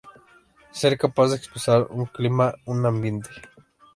Ser capaz de expresar un clima, un ambiente.